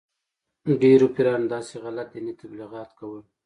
ډېرو پیرانو داسې غلط دیني تبلیغات کول.